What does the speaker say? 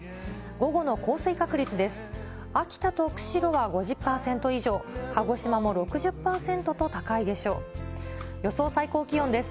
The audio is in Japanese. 午後の降水確率です。